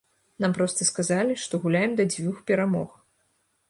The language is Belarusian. Нам проста сказалі, што гуляем да дзвюх перамог.